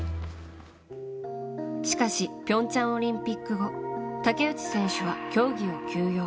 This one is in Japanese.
しかし、平昌オリンピック後竹内選手は競技を休養。